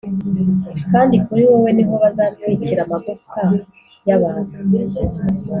kandi kuri wowe ni ho bazatwikira amagufwa y’abantu